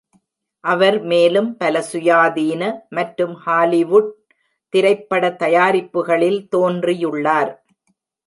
அவர் மேலும் பல சுயாதீன மற்றும் ஹாலிவுட் திரைப்பட தயாரிப்புகளில் தோன்றியுள்ளார்.